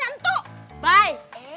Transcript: aduh inget lagi dah tuh